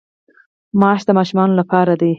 ماش د ماشومانو لپاره دي.